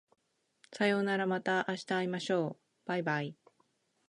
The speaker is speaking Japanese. さようならまた明日会いましょう baibai